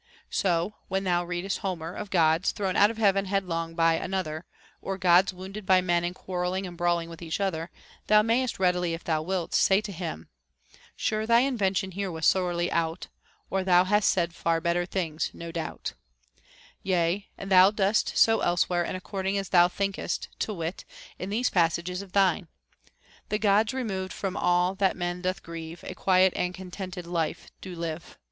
So, when thou readest in Homer of Gods thrown out of heaven headlong one by another, or Gods wounded by men and quarrelling and brawling with each other, thou mayest readily, if thou wilt, say to him, — Sure thy invention here was sorely out, Or thou hadst said far better things, no doubt ;* yea, and thou dost so elsewhere, and according as thou thinkest, to wit, in these passages of thine :— The Gods, removed from all that men doth grieve, A quiet and contented life do live.